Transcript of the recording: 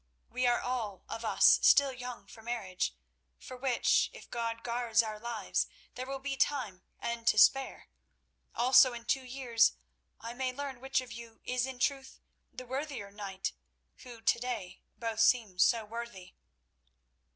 We are all of us still young for marriage, for which, if God guards our lives, there will be time and to spare. Also in two years I may learn which of you is in truth the worthier knight, who to day both seem so worthy."